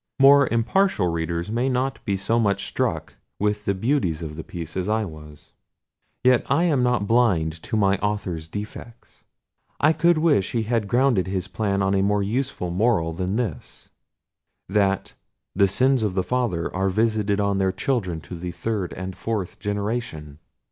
More impartial readers may not be so much struck with the beauties of this piece as I was. Yet I am not blind to my author's defects. I could wish he had grounded his plan on a more useful moral than this: that "the sins of fathers are visited on their children to the third and fourth generation."